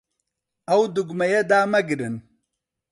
ئەو دوگمەیە دامەگرن.